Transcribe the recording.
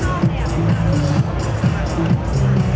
ว้าวว้าวว้าวว้าวว้าว